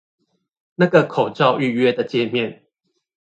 那個口罩預約的介面